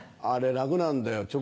あれ楽なんだよ